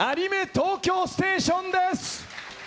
東京ステーションです。